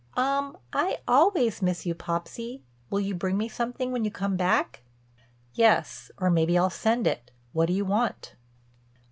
"Um, I always miss you, Popsy. Will you bring me something when you come back?" "Yes, or maybe I'll send it. What do you want?"